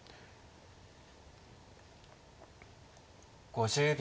５０秒。